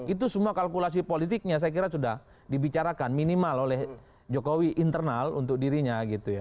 itu semua kalkulasi politiknya saya kira sudah dibicarakan minimal oleh jokowi internal untuk dirinya gitu ya